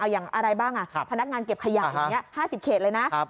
อย่างอะไรบ้างพนักงานเก็บขยะอย่างนี้๕๐เขตเลยนะ